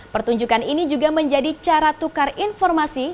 pertunjukan ini juga menjadi cara tukar informasi